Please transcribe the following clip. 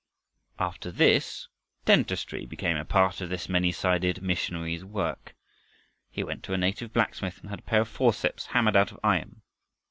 After this, dentistry became a part of this many sided missionary's work. He went to a native blacksmith and had a pair of forceps hammered out of iron.